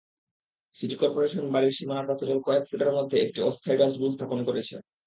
City corporation বাড়ির সীমানাপ্রাচীরের কয়েক ফুটের মধ্যে একটি অস্থায়ী ডাস্টবিন স্থাপন করেছে।